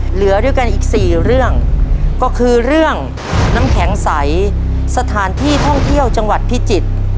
เหลือด้วยกันอีกสี่เรื่องก็คือเรื่องน้ำแข็งใสสถานที่ท่องเที่ยวจังหวัดพิจิตร